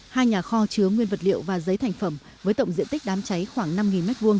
hai nhà kho chứa nguyên vật liệu và giấy thành phẩm với tổng diện tích đám cháy khoảng năm m hai